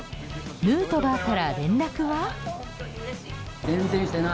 ヌートバーから連絡は？